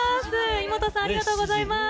イモトさん、ありがとうございます。